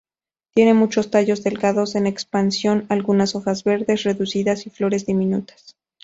Tiene muchos tallos delgados, en expansión, algunas hojas verdes reducidas y flores diminutas.